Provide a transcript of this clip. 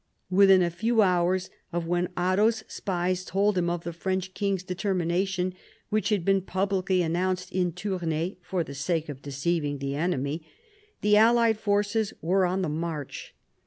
Within a few hours of when Otto's spies told him of the French king's determination — which had been publicly announced in Tournai for the sake of deceiving the enemy — the allied forces were on the march.